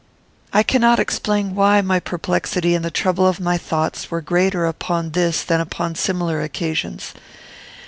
I cannot explain why my perplexity and the trouble of my thoughts were greater upon this than upon similar occasions.